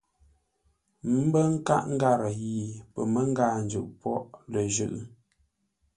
Mbə́ nkâʼ ngarə yi pəməngâa njʉʼ póghʼ lə jʉ́.